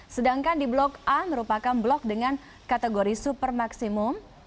sedangkan di blok a merupakan blok dengan kategori super maksimum